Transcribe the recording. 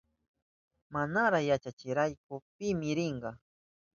Manara yachanchirachu pimi rinka.